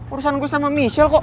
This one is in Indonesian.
urusan gue sama michelle kok